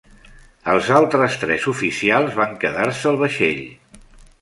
Els altres tres oficials van quedar-se al vaixell.